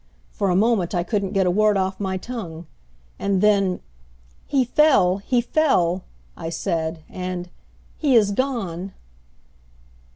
For a moment I couldn't get a word off my tongue; and then, "He fell, he fell!" I said, and, "He is gone!"